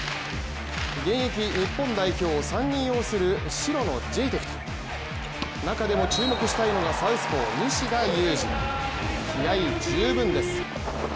現役日本代表３人擁する白のジェイテクト中でも注目したいのがサウスポー西田有志、気合い十分です。